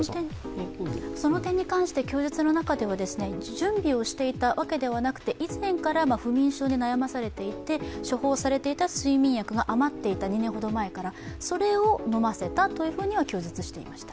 その点に関して、供述の中では準備をしていたわけではなくて、以前から不眠症に悩まされていて処方されていた２年ほど前から余っていた、それを飲ませたと供述していました。